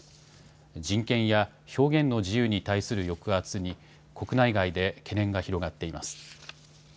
人権や表現の自由に対する抑圧に、国内外で懸念が広がっています。